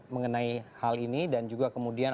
mengenai hal ini dan juga kemudian